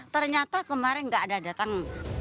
ternyata kemarin tidak ada datang